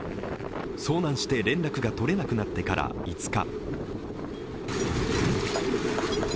遭難して連絡が取れなくなってから５日。